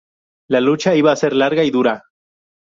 La lucha iba a ser larga y dura.